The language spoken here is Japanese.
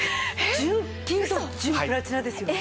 純金と純プラチナですよね？